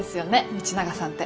道永さんて。